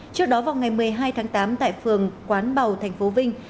trước đó vào ngày một mươi hai tháng tám tại phường quán bầu tp vinh